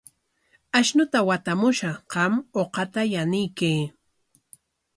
Ashnuta watamushaq, qam uqata yanuykan.